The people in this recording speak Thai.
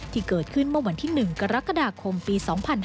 ที่เกิดขึ้นเมื่อวันที่๑กรกฎาคมปี๒๕๕๙